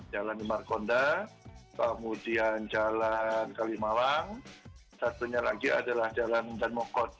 jalan di markonda kemudian jalan kalimalang satunya lagi adalah jalan danmokot